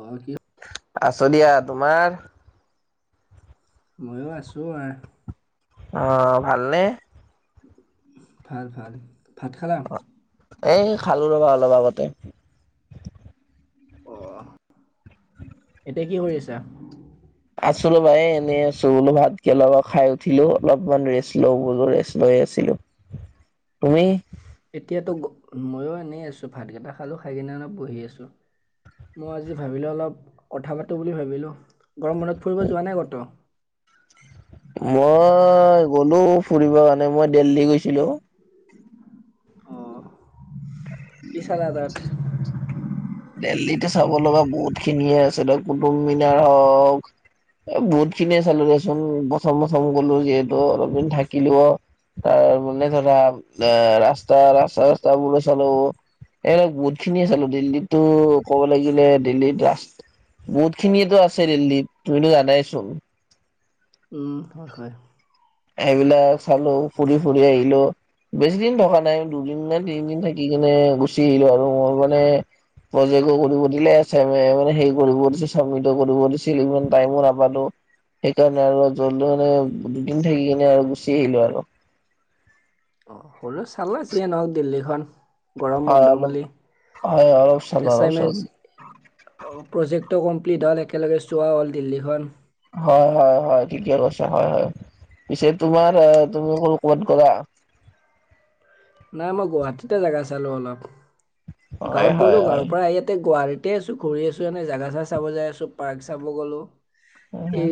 অঁ দিয়ক। আছো দিয়া, তোমাৰ? ময়ো আছোঁ আৰু। অ ভালনে। ভাল ভাল ভাত খালা? এ খালো ৰ'বা অলপ আগতে। অ এতিয়া কি কৰি আছা? আছো ৰ'বা এই এনেই আছো বোলো ভাত কেইটামান খাই উঠিলো অলপমান ৰেষ্ট লও বোলো ৰেষ্ট লৈ আছিলো। তুমি? এতিয়াতো ময়ো এনেই আছোঁ ভাতকেইটা খালোঁ খাই কিনে অলপ বহি আছোঁ। মই আজি ভাবিলো অলপ কথা পাতো বুলি ভাবিলো, গৰম বন্ধত ফুৰিব যোৱা নাই কতো? মই গ'লো ফুৰিব কাৰণে মই দিল্লী গৈছিলো। অ [unintelligible] [inaudible] কি চালা তাত? দেল্লীতে চাব লগা বহুতখিনিয়ে আছে ধৰক কুটুকমিনাৰ হওক। বহুতখিনিয়ে চালো দেচোন প্ৰথম প্ৰথম গলো যিহেতু অলপদিন থাকিলো অ। তাৰ মানে ধৰা ৰাস্তা ৰাস্তা ৰাস্তা বুৰো চালো। এ বহুত খিনিয়ে চালো দিল্লীটো ক'ব লাগিলে দিল্লীত ৰাচ বহুতখিনিয়েতো আছে দিল্লীত তুমিতো জানাই চোন। উম হয় হয়। এইবিলাক চালো ফুৰি ফুৰি আহিলোঁ। বেছি দিন থকা নাই দুদিন নে তিনিদিন থাকি কেনে গুচি আহিলো আৰু মোৰ মানে প্ৰজেক্টটো কৰিব দিলে কৰিব দিছিল চাবমিত কৰিব দিছিল ইমান টাইমো নাপালোঁ। সেইকাৰণে আৰু জলদ মানে দুদিন থাকি কিনে আৰু গুচি আহিলো আৰু। অঁ হ'লেওঁ চালে যিয়ে নহওক দিল্লীখন। গৰম হয় বন্ধ অলপ বুলি হয় অলপ চালো অলপ চালো। এছাইনমেণ্ট প্ৰজেক্টটো কমপ্লিট হ'ল একেলগে চোৱা হ'ল দিল্লীখন। হয় হয় হয় ঠিকে কৈছে হয় হয়, পিছে তোমাৰ তুমি কবাত গ'লা? নাই মই গুৱাহাটীতে জেগা চালোঁ অলপ, হয় গাঁৱত হয় গ'লো হয় গাঁৱৰ পৰা ইয়াতে গুৱাহাটীত গতে আছো ঘূৰি আছো এনেই জেগা চেগা চাব যাই আছো পাৰ্কৰ চাব গলো এই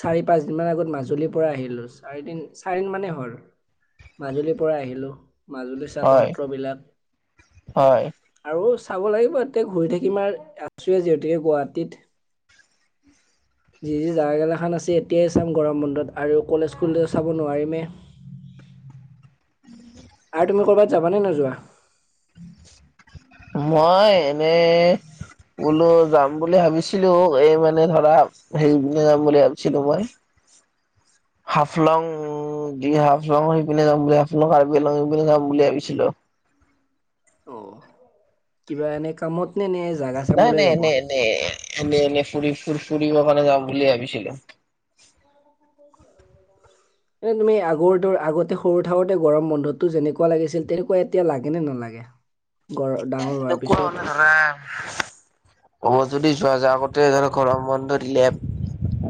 চাৰি পাঁচদিন মান আগত মাজুলীৰ পৰা আহিলো চাৰিদিন চাৰিদিন মানেই হল। মাজুলীৰ পৰা আহিলো মাজুলী চালোঁ হয় সত্ৰবিলাক। হয় আৰু চাব লাগিব এতিয়া ঘূৰি থাকিম আৰু আছোৱে যিহেতুকে গুৱাহাটীত। যি যি জেগাগিলাখন আছে এতিয়াই চাম গৰম বন্ধত আৰু কলেজ খোলিলেটো চাব নোৱাৰিমেই। উম। [inaudible] আৰু তুমি কৰবাত যাবানে নোযোৱা? মই এনেই বোলো যাম বুলি ভাবিছিলোঁ এই মানে ধৰা সেই পিনে যাম বুলি ভাবছিলো মই। হাফলং দি হাফলং সেই পিনে যাম বুলি ভাবিছিলোঁ কাৰ্বিআংলং সেই পিনে যাম বুলি ভাবিছিলোঁ। অঁ। কিবা এনে কামত নে নে জাগা চাম নাই বুলিয়ে নাই যাবা এনেই এনেই এনেই এনে ফু ফু ফুৰিব কাৰণে যাম বুলি ভাবিছিলোঁ। [inaudible] এই তুমি আগৰ দৰে আগতে সৰু থাকোঁতে গৰম বন্ধতো যেনেকুৱা লাগিছিল তেনেকুৱা এতিয়া লাগে নালাগে? গৰ ডাঙৰ হোৱাৰ পিছত হ'ব যদি যোৱা যায় আগতে ধৰক গৰম বন্ধ দিলে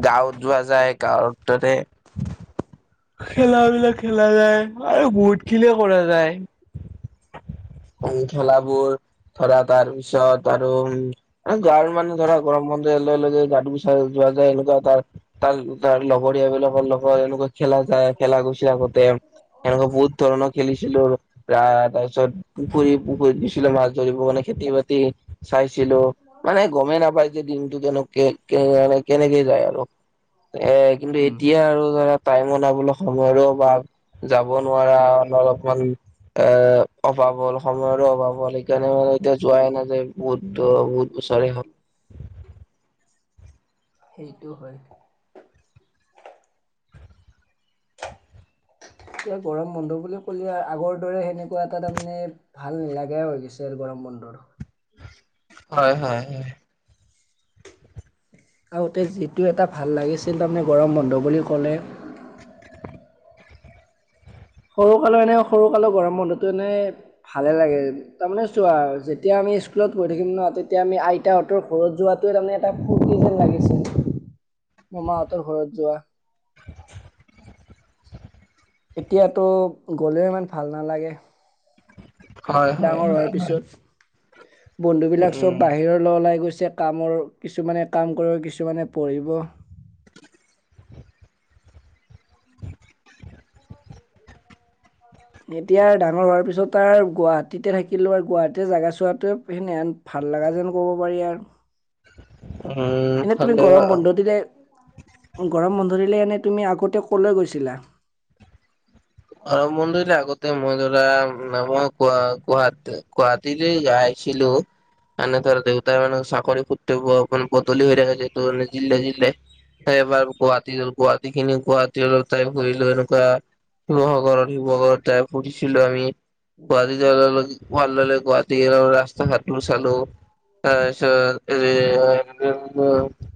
গাঁৱত যোৱা যায় গাঁৱত তাতে খেলা বিলাক খেলা যায় আৰু বহুত খিনিয়ে কৰা যায়। এই খেলাবোৰ ধৰা তাৰপিছত আৰু উম। গাঁও মানুহ ধৰা গৰম বন্ধৰ চাই যোৱা যায় এনেকুৱা তাৰ তাৰ তাৰ লগৰীয়া বিলাকৰ লগৰ এনেকুৱা। খেলা যায় খেলা গৈছিল আগতে এনেকা বহুত ধৰণৰ খেলিছিলোঁ তাৰ পিছত পুখুৰী পুখুৰী দিছিলো মাছ ধৰিব কাৰনে খেতি বাতি চাইছিলো মানে গমেই নাপাই যে দিনটো কেনেকে মানে কেনেকে যায় আৰু এ কিন্তু উম, এতিয়া আৰু ধৰা টাইম ওলাবলৈ সময়ৰো অভাৰ যাব নোৱাৰা অলপমান। এ অভাৱ হ'ল সময়ৰো অভাৱ হ'ল সেইকাৰণে মানে এতিয়া যোৱাই নাযায় বহুত। ত বহুত বছৰে হ'ল সেইটো হয়। এতিয়া গৰম বন্ধ বুলি ক'লে আগৰ দৰে সেনেকুৱা এটা তাৰমানে ভাল নালাগাই হৈ গৈছে গৰম বন্ধৰ। হয় হয় হয় আগতে যিটো এটা ভাল লাগিছিল তাৰমানে গৰম বন্ধ বুলি ক'লে। সৰুকালৰ এনেও সৰুকালৰ গৰম বন্ধটো এনেই ভালে লাগে। তাৰমানে চোৱা যেতিয়া আমি স্কুলত পঢ়ি থাকিম ন তেতিয়া আমি আইতাহঁতৰ ঘৰত যোৱা। তাৰমানে এটা ফুৰ্তি যেন লাগিছিল মামাহঁতৰ ঘৰত যোৱা। [unintelligible] এতিয়াতো গ'লেও ইমান ভাল নালাগে। হয় হয় হয় হয়। বন্ধু বিলাক চব বাহিৰলৈ ওলাই গৈছে। কামৰ কিছুমানে কাম কৰিব কিছুমানে পঢ়িব। এতিয়া ডাঙৰ হোৱাৰ পিছত তাৰ গুৱাহাটীতে থাকি লৈ আৰু গুৱাহাটীতে জাগা চোৱাটোৱে প্লেন। ভাল লগা যেন ক'ব পাৰি এয়া। উম। এনেই তুমি ভালে গৰম বন্ধ দিলে গৰম বন্ধ দিলে এনেই তুমি আগতে ক'লৈ গৈছিলা। অ বন্ধ দিলে আগতে মই ধৰা মই গুৱাহাটী। গুৱাহাটীলৈ জাইছিলো। তাৰমানে ধৰা দেউতাৰ মানে চাকৰি সূতে মানে বদলি হৈ থাকেটো যিহেতু জিলে জিলে এবাৰ গুৱাহাটী গুৱাহাটী খিনি গুৱাহাটী খিনি তাই কৰিলো এনেকুৱা। শিৱসাগৰত শিৱসাগৰত তাই পঢ়িছিলো আমি। গুৱাহাটী ভাল দৰে গুৱাহাটী ৰাস্তা ঘাটটো চালো। তাৰপিছত এ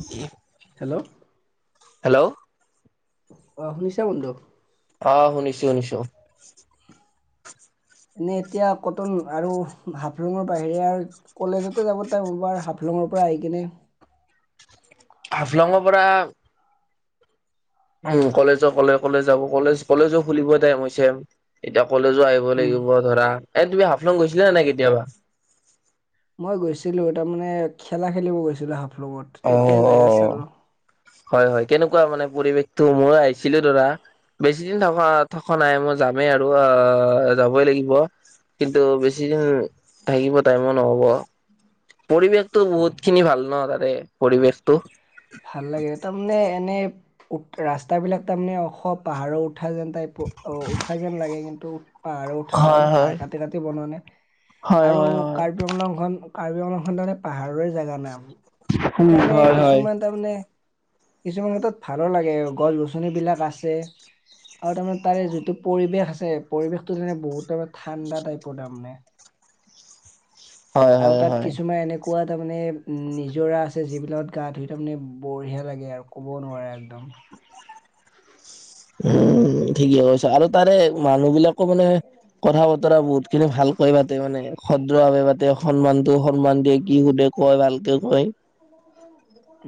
কি হেল্ল' হেল্ল' অ শুনিছা বন্ধু? অ শুনিছোঁ শুনিছোঁ। এনেই এতিয়া কটন আৰু হাফলং বাহিৰে আৰু কলেজতে যাব তাইবাৰ হাফলং পৰা আহি কিনে। হাফলং পৰা। উম কলেজৰ কলে কলে যাব, কলেজ কলেজো খুলিব টাইম হৈছে। এতিয়া কলেজো আহিব। লাগিব ধৰা, এ তুমি হাফলং গৈছিলা নে নাই কেতিয়াবা। মই গৈছিলো তাৰ মানে খেলা খেলিব গৈছিলোঁ, হাফলঙত অ তেতিয়া জেগা অ চালো। হয় হয় কেনেকুৱা মানে পৰিৱেশটো মউ আহিছিলো ধৰা। বেছি দিন থকা থকা নাই মই যামেই আৰু আহ যাবই লাগিব। কিন্তু বেছিদিন থাকিব টাইমো নহব। পৰিৱেশ টো বহুত খিনি ভাল ন তাৰে পৰিৱেশটো। ভাল লাগে তাৰমানে এনেই উখ ৰাস্তাবিলাক তাৰমানে উখ পাহাৰ উট ঠা যেন টাইপ অ উঠা যেন লাগে কিন্তু। পাৰ উঠান হয় পাৰ হয় কাটি কাটি বনোৱা নে হয় আৰু হয় হয় কাৰ ৰ্বিআংলং কাৰ্বিআংলং খন দৰে পাহাৰীয়া জাগাৰ নাম উম সেইকাৰণে হয় কিছ হয়। তাৰ মানে কিছুমান ক্ষেত্ৰত ভালো লাগে গছ গছনি বিলাক আছে। আৰু তাৰমানে তাৰে যিটো পৰিৱেশ আছে পৰিৱেশটো তেনে বহুত তাৰমানে ঠাণ্ডা টাইপৰ তাৰমানে। হয় আৰু হয় তাত হয় কিছুমান এনেক। কোৱা তাৰমানে নিজৰা আছে যিবিলাকত গা ধুই তাৰমানে বঢ়িয়া লাগে, আউ ক'ব নোৱাৰি আৰু একদম। উম ঠিকে কৈছা আৰু তাৰে মানুহ বিলাকো মানে কথা বতৰা বহুত খিনি ভালকৈ পাতে মানে ভ্ৰদ দ্ৰভাৱে পাতে সন্মানটো সন্মান দিয়ে কি সুধে কয় ভালকে কয়।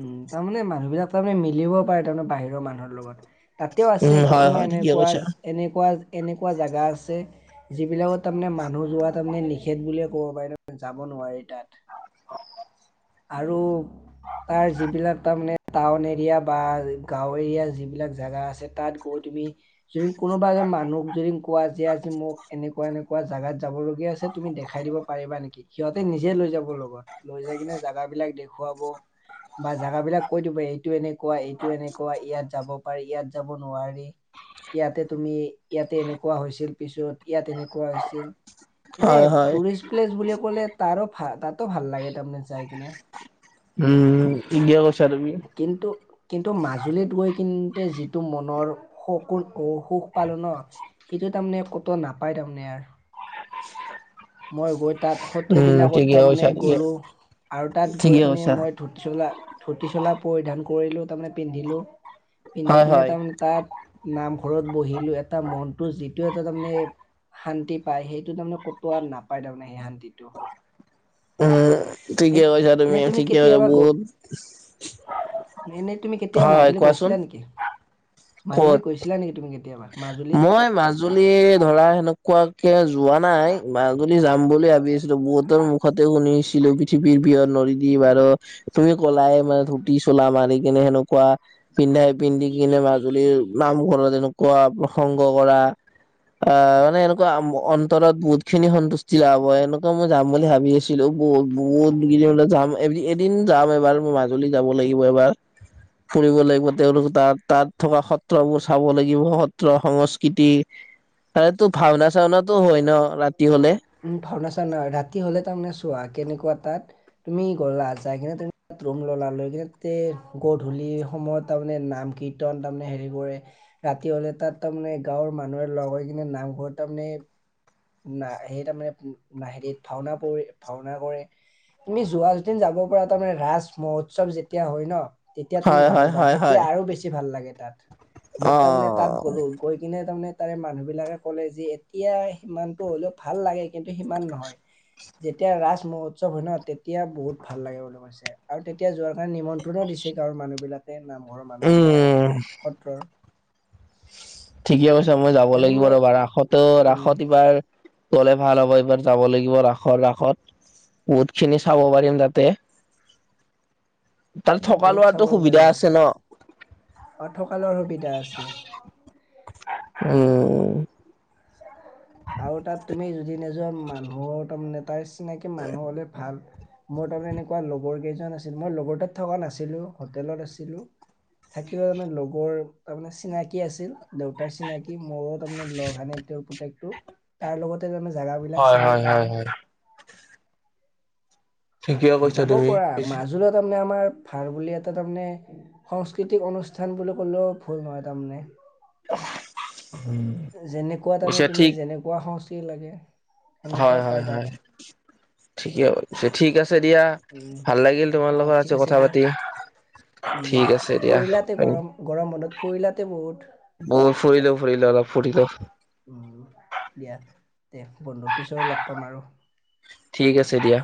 উম তাৰমানে মানুহ বিলাক তাৰমানে মিলিব পাৰে তাৰমানে বাহিৰৰ মানুহৰ লগত। তাতেও আছে উম হয় হয় কিছুমান ঠিকে এনেকুৱা কৈছা এনেকুৱা এনেকুৱা জেগা আছে। যিবিলাকত তাৰমানে মানুহ যোৱা তাৰমানে নিষেধ বুলিয়ে ক'ব পাৰি তামানে নোৱাৰি তাত [unintelligible] আৰু তাৰ যিবিলাক তাৰমানে টাউন এৰিয়া বা গাও এৰিয়া যিবিলাক জেগা আছে তাত। পই তুমি যদি কোনোবা এজন মানুহক যদি কোৱা যে আজি মোক এনেকুৱা এনেকুৱা জাগাত যাব লগীয়া আছে, তুমি দেখাই দিব। পাৰিবা নেকি সিহঁতে নিজে লৈ যাব লগত লৈ যাই কিনে জাগা বিলাক দেখুৱাব। বা জাগাবিলাক কৈ দিব এইটো এনেকুৱা এইটো এনেকুৱা ইয়াত যাব পাৰি ইয়াত যাব নোৱাৰি ইয়াতে তুমি ইয়াতে এনেকুৱা হৈছিল পিছত ইয়াত এনেকুৱা হৈছিল। এনে হয় হয়। টুৰিষ্ট প্লেচ বুলি ক'লে তাৰো ভা তাতো ভাল লাগে তাৰমানে যাই কিনে। উম ঠিকে কৈছা তুমি কিন্তু কিন্তু মাজুলীত গৈ কিন্তে যিটো মনৰ। হকুন ক সুখ পালো ন সেইটো তাৰমানে ক'তো নাপায় তাৰমানে আৰ। [inaudible] মই গৈ তাত উম সত্ৰবিলাকত ঠিকে কৈছা তাৰমানে ঠিকে গ'লো আৰু তাত গৈ ঠিকে কিনে কৈছা মই ধূতি চোলা ধূতি চোলা পৰিধান কৰিলো তাৰমানে পিন্ধিলো পিন্ধি হয় কিনে হয় তাৰমানে তাত নামঘৰত বহিলো এটা মনটো যিটো এটা তাৰমানে। শান্তি পাই সেইটো তাৰমানে কতো আ নাপায় তাৰমানে সেই শান্তিটো। উম এ ঠিকে কৈছা তুমি এনে ঠিকে কৈছা কেতিয়াবা গ বহুত এনে এই তুমি কেতিয়াবা হয় হয় মাজুলী কোৱাচোন গৈছিলা নেকি মাজুলী ক'ত গৈছিলা নেকি তুমি কেতিয়াবা? মাজুলী মই মাজুলী ধৰা সেনেকুৱাকে যোৱা নাই। মাজুলী যাম বুলি ভাবি আছিলো বহুতৰ মুখতে শুনিছিলো পৃথিৱীৰ বৃহৎ নদীদ্বীপ আৰু তুমি কলাই মানে ধুতি চোলা মাৰি কিনে সেনেকুৱা। পিন্ধাই পিন্ধি কিনে মাজুলীৰ নামঘৰত এনেকুৱা প্ৰসংগ কৰা। আ মানে এনেকুৱা আম অন্তৰত বহুত খিনি সন্তুষ্টি লাভ হয় এনুক ত মই যাম বুলি ভাবি আছিলো বহুত বহুত কিদিনলে যাম এ এদিন যাম এবাৰ মোৰ মাজুলী যাব লাগিব এবাৰ। ফুৰিব লাগিব তেওঁলোক তাত তাত থকা সত্ৰবোৰ চাব লাগিব। সত্ৰ সংস্কৃতি তাৰেতো ভাওনা চাওনাাতটো হয় ন ৰাতি হলে। উম ভাওনা চাওনা হয় ৰাতি হ'লে তাৰমানে চোৱা কেনেকুৱা তাত তুমি গ'লা যাই কিনে তুমি তাত ৰুম ল'লা লৈ কিনে গধূলি সময়ত তাৰমানে নাম কি কীৰ্তন তাৰমানে হেৰি কৰে ৰাতি হ'লে তাত তাৰমানে গাঁৱৰ মানুহে লগ হৈ কিনে নামঘৰত তাৰমানে ন সেই তাৰ মানে হেতিত ভাওনা পৰি ভাওনা কৰে। তুমি যোৱা যদি যাব পৰা তাৰ মানে ৰাজ মহোৎসৱ যেতিয়া হয় ন তেতিয়া তুমি হয় যাব হয় পাৰা হয় তেতিয়া হয় আৰু বেছি ভাল লাগে তাত মোক অ তাৰমানে তাত গ'লো। গৈ কিনে তাৰমানে তাৰে মানুহবিলাকে ক'লে যে এতিয়াই আহি সিমানটো হ'লেও ভাল লাগে কিন্তু সিমান নহয়। যেতিয়া ৰাজ মহোৎসৱ হয় ন তেতিয়া বহুত ভাল লাগে বুলি কৈছে। আৰু তেতিয়া যোৱাৰ কাৰণে নিমন্ত্ৰণো দিছে গাঁৱৰ মানুহ বিলাকে নাম ঘৰৰ মানুহ বিলাকে উম সত্ৰৰ। ঠিকে কৈছা মই যাব এ লাগিব তুমি ৰ'বা ৰাসতো উম ৰাসত এইবাৰ। গ'লে ভাল হ'ব এইবাৰ যাব লাগিব ৰাসৰ ৰাসত। বহুত খিনি চাব পাৰিম তাতে। তাত থকা লোৱাটো সুবিধা আছে ন। অ' থকা লৰাৰ সুবিধা আছে উম। আৰু তাত তুমি যদি নিজৰ মানুহৰ তাৰে মানে তাৰ চিনাকি মানুহ হ'লে ভাল। মোৰ তাৰমানে এনেকুৱা লগৰ কেইজন আছিল মই লগৰ তাত থকা নাছিলোঁ হোটেলত আছিলোঁ। থাকিলেও মানে লগৰ তাৰমানে চিনাকি আছিল দেউতাৰ চিনাকি। কি মোৰো তাৰমানে লগ হনে তেওঁৰ পপুতেকটো তাৰ লগতে তাৰমানে জোগা বিলাক হয় চালো হয় হয় তাৰে। হয় ঠিকে কৈছা যাব তুমি পৰা মাজুলী ত তাৰমানে আমাৰ ভাল বুলি এটা তাৰমানে সংস্কৃতিক অনুষ্ঠান বুলি ক'লেও ভুল নহয় তাৰমানে। পিছে ঠিক। খোৱা সংস্কৃতি লাগে। সেনেকুৱা হয় হয় পায় তাত হয় ঠিকে ঠিক আছে দিয়া। উম, ভাল লাগিল তোমাৰ অঁ লগত ঠিক আছো আছে কথা দিয়া পাতি। উম ঠিক আছে দিয়া ফুৰিলাতে গৰম গৰম বন্ধত ফুৰিলাতে বহুত। ময়ো ফুৰিলো ফুৰিলো অলপ ফুৰিলো। উম দিয়া দিয়া বন্ধুৰ পিছৰে লগ পাম আৰু। ঠিক আছে দিয়া।